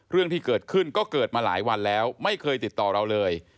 เรื่องที่เกิดขึ้นก็เกิดมาหลายวันแล้วไม่เคยติดต่อเราเลย